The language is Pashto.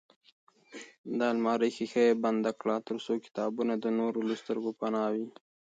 د المارۍ ښیښه یې بنده کړه ترڅو کتابونه د نورو له سترګو پناه وي.